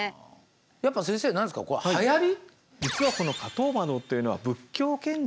やっぱり先生何ですかこれはやり？